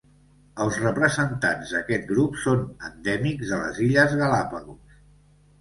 Els representants d'aquest grup són endèmics de les illes Galápagos.